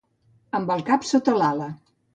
Amb el cap sota l'ala.